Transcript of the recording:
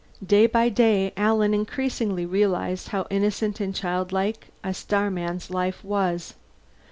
Day by day Alan increasingly realized how innocent and childlike a starman's life was.